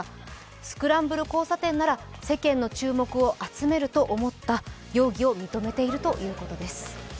スクランブル交差点なら世間の注目を集めると思った、容疑を認めているということです。